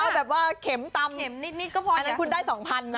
เอาแบบว่าเข็มตำอันนั้นคุณได้๒๐๐๐นะ